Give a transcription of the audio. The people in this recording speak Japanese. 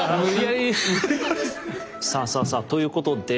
さあさあさあということで